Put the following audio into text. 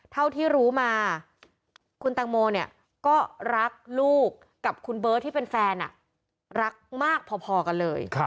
เท่าที่รู้มาคุณแตงโมเนี่ยก็รักลูกกับคุณเบิร์ตที่เป็นแฟนรักมากพอกันเลย